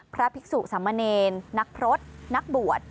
พระภิกษุสมเนรนักพฤษนักบวช